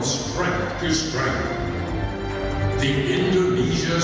perusahaan perusahaan perusahaan indonesia